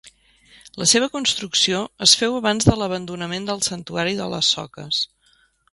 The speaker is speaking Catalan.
La seva construcció es féu abans de l'abandonament del santuari de les Soques.